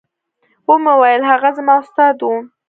ومې ويل هغه زما استاد و.